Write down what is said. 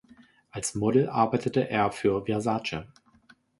Als Model arbeitete er für Versace.